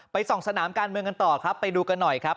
ส่องสนามการเมืองกันต่อครับไปดูกันหน่อยครับ